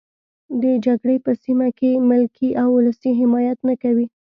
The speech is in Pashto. د جګړې په سیمه کې ملکي او ولسي حمایت نه کوي.